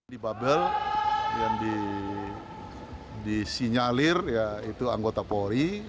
di babel yang disinyalir ya itu anggota polri